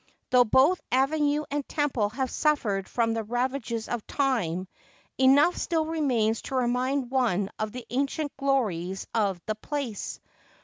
Though both avenue and temple have suffered from the ravages of time, enough still remains to remind one of the ancient glories of the place.